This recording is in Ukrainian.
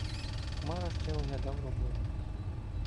Хмара ще оглядав "роботу”.